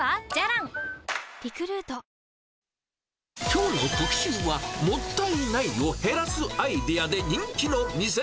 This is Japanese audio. きょうの特集は、もったいないを減らすアイデアで人気の店。